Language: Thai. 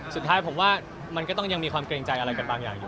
สุดท้ายผมว่ามันก็ต้องยังมีความเกรงใจอะไรกันบางอย่างอยู่